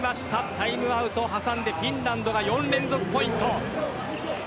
タイムアウトを挟んでフィンランドが４連続ポイント。